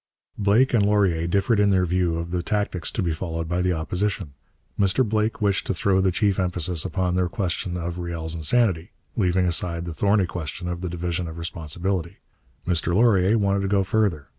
Blake and Laurier differed in their view of the tactics to be followed by the Opposition. Mr Blake wished to throw the chief emphasis upon the question of Riel's insanity, leaving aside the thorny question of the division of responsibility. Mr Laurier wanted to go further.